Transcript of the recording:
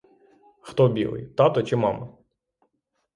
Хто білий, тато чи мама?